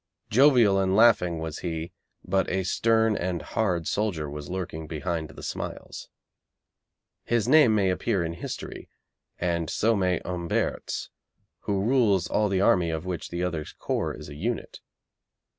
Jovial and laughing was he, but a stern and hard soldier was lurking behind the smiles. His name may appear in history, and so may Humbert's, who rules all the army of which the other's corps is a unit.